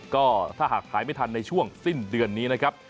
ก็ถ้าหากขายไม่ทันในช่วงสิ้นเดือนนี้นะครับ